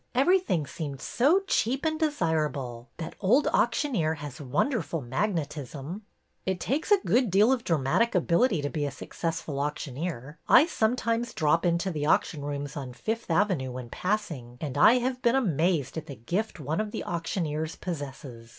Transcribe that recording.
Everything seemed so cheap and desirable! That old auctioneer has wonder ful magnetism." It takes a good deal of dramatic ability to be a successful auctioneer. I sometimes drop into the auction rooms on Fifth Avenue when pass ing, and I have been amazed at the gift one of the auctioneers possesses.